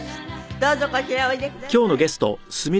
どうぞこちらへおいでください。